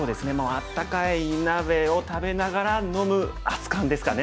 温かい鍋を食べながら飲む熱かんですかね。